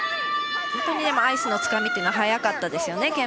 本当にアイスのつかみというのは早かったですよね。